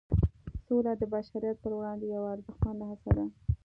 سوله د بشریت پر وړاندې یوه ارزښتمنه هڅه ده.